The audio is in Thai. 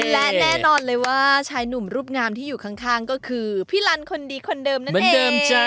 และแน่นอนเลยว่าชายหนุ่มรูปงามที่อยู่ข้างก็คือพี่ลันคนดีคนเดิมนั่นเอง